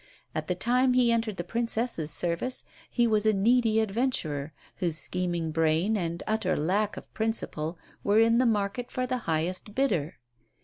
At the time he entered the Princess's service he was a needy adventurer, whose scheming brain and utter lack of principle were in the market for the highest bidder.